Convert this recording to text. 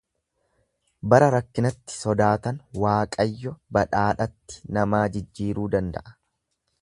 Bara rakkinatti sodaatan Waaqayyo badhaadhatti namaa jijjiiruu danda'a.